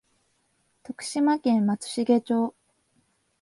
徳島県松茂町